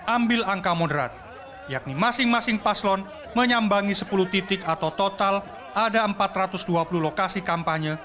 ambil angka moderat yakni masing masing paslon menyambangi sepuluh titik atau total ada empat ratus dua puluh lokasi kampanye